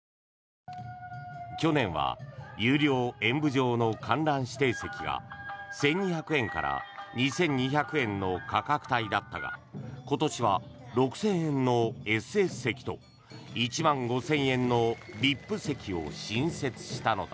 去年は有料演舞場の観覧指定席が１２００円から２２００円の価格帯だったが今年は６０００円のＳＳ席と１万５０００円のＶＩＰ席を新設したのだ。